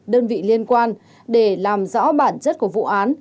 đơn vị liên quan để làm rõ bản chất của vụ án